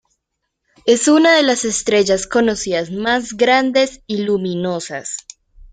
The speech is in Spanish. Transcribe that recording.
Es una de las estrellas conocidas más grandes y luminosas.